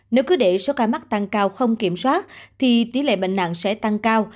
nếu cứ để số ca mắc tăng cao không kiểm soát thì tỷ lệ bệnh nặng sẽ tăng cao